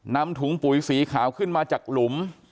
นำถุงปุ๋ยสีขาวขึ้นมาจากหลุม